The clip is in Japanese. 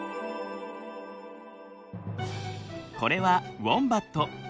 これはウォンバット。